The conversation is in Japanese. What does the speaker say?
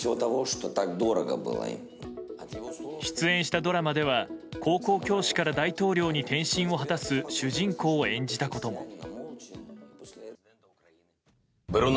出演したドラマでは高校教師から大統領に転身を果たす主人公を演じたことも。